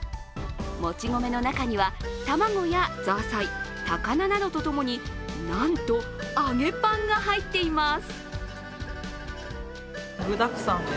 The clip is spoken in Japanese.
もち米の中には卵やザーサイ高菜などと共になんと、揚げパンが入っています。